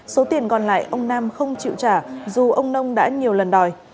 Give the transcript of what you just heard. số tiền còn lại ông nam không chịu trả dù ông nông đã nhiều lần đòi